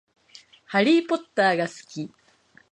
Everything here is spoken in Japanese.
ハリーポッターが好き